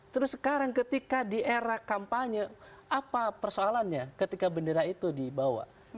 terus sekarang ketika di era kampanye apa persoalannya ketika bendera itu dibawa